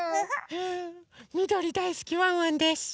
みどりだいすきワンワンです！